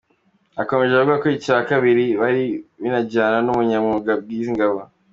Yakomeje avuga ko icya kabiri binajyana n’ubunyamwuga bw’izi ngabo.